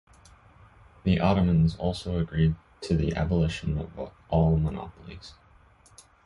The Ottomans also agreed to the abolition of all monopolies.